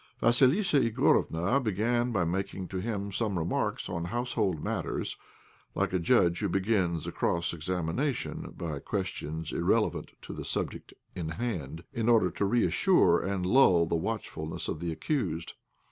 Vassilissa Igorofna began by making to him some remarks on household matters, like a judge who begins a cross examination by questions irrelevant to the subject in hand, in order to reassure and lull the watchfulness of the accused.